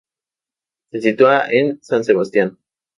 Se sitúa en San Sebastián.